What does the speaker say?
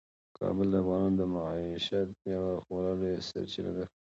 کابل د افغانانو د معیشت یوه خورا لویه سرچینه ده.